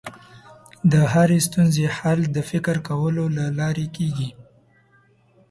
د هرې ستونزې حل د فکر کولو له لارې کېږي.